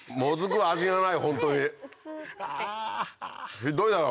ひどいだろう？